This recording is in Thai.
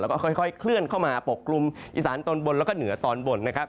แล้วก็ค่อยเคลื่อนเข้ามาปกกลุ่มอีสานตอนบนแล้วก็เหนือตอนบนนะครับ